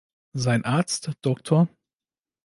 Sein Arzt Dr.